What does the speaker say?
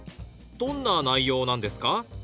どんな内容なんですか？